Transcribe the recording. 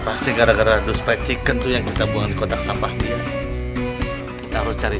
pasti gara gara dosa cek untuk yang kita buang kotak sampah dia taruh cari